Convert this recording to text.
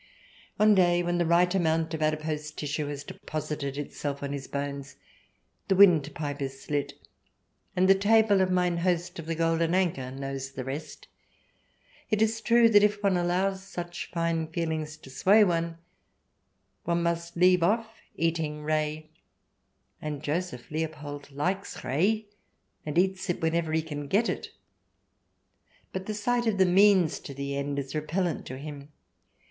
One day, when the right amount of adipose tissue has deposited itself on his bones, his windpipe is slit — and the table of mine host of the Golden Anchor knows the rest. Il; is true that if one allows such 196 THE DESIRABLE ALIEN [ch. xiv fine feelings to sway one, one must leave off eating Reh ; and Joseph Leopold likes Reh, and eats it when ever he can get it. But the sight of the means to the end is repellent to him.